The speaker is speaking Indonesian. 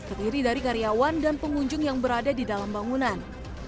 terdiri dari karyawan dan pengunjung yang berada di dalam bangunan